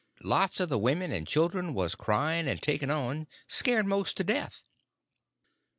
Lots of the women and girls was crying and taking on, scared most to death.